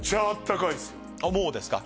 もうですか？